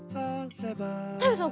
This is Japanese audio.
太陽さん